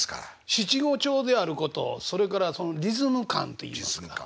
七五調であることそれからそのリズム感といいますか。